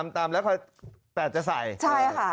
ตาจักรวดดนั้น